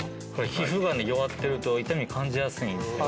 皮膚がね弱ってると痛みを感じやすいんですよ。